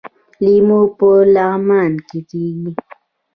لیمو په لغمان کې کیږي